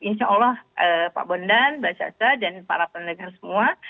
insya allah pak bondan basasa dan para penegak semua